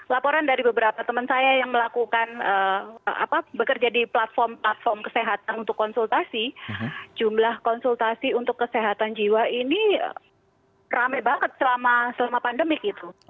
laporan dari beberapa teman saya yang melakukan bekerja di platform platform kesehatan untuk konsultasi jumlah konsultasi untuk kesehatan jiwa ini rame banget selama pandemik gitu